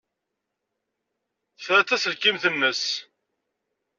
Ta d taselkimt-nnes.